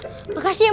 mak emang ke rumah